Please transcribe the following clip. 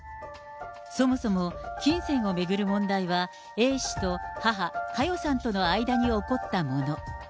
そもそも、金銭を巡る問題はＡ氏と母、佳代さんとの間に起こったもの。